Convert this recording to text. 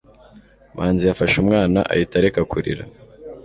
manzi yafashe umwana ahita areka kurira